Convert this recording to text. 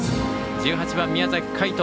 １８番、宮崎海翔